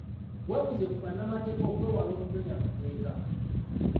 Webuuze ku bannamateeka okwewala okumenya amateeka.